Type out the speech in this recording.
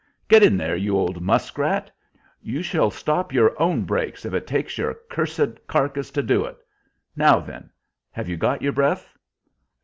"Get in there, you old muskrat! You shall stop your own breaks if it takes your cursed carcass to do it! Now then, have you got your breath?"